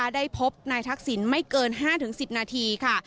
ได้พบนายทักษิณไม่เกิน๕๑๐นาทีค่ะ